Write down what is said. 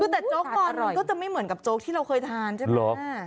แต่โจ๊กบอลมันก็จะไม่เหมือนกับโจ๊กที่เราเคยทานใช่ไหม